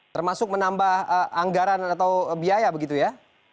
termasuk menambah anggaran atau biaya begitu ya